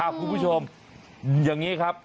คุณผู้ชมอย่างนี้ครับ